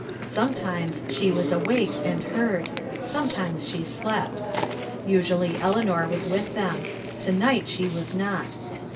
Sometimes she was awake and heard ; sometimes she slept. Usually Eleanor was with them ; to night she was not.